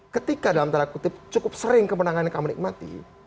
ketika dalam tanda kutip cukup sering kemenangan yang kamu nikmati